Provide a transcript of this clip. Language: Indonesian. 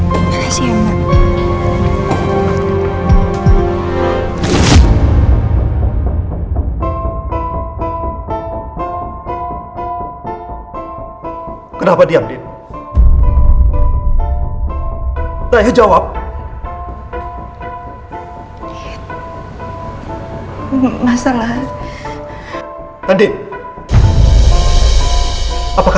tolong selamatkan janin saya